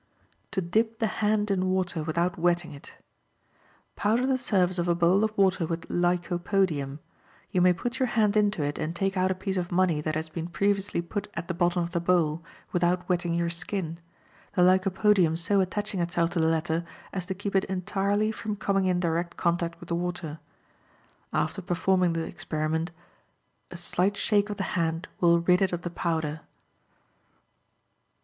To Dip the Hand in Water Without Wetting It.—Powder the surface of a bowl of water with lycopodium; you may put your hand into it and take out a piece of money that has been previously put at the bottom of the bowl, without wetting your skin; the lycopodium so attaching itself to the latter as to keep it entirely from coming in direct contact with the water. After performing the experiment, a slight shake of the hand will rid it of the powder.